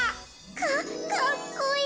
かかっこいい。